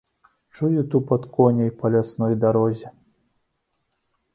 Чую тупат коней па лясной дарозе.